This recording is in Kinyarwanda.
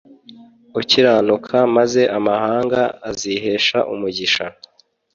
ukiranuka maze amahanga azihesha umugisha